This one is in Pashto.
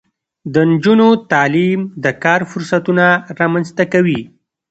د نجونو تعلیم د کار فرصتونه رامنځته کوي.